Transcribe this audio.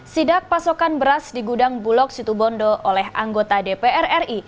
sidak pasokan beras di gudang bulog situbondo oleh anggota dpr ri